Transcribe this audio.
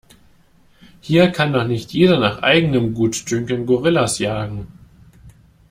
Hier kann doch nicht jeder nach eigenem Gutdünken Gorillas jagen!